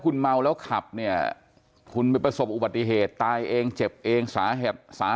คุณเมาแล้วขับเนี่ยคุณไปประสบอุบัติเหตุตายเองเจ็บเองสาเหตุ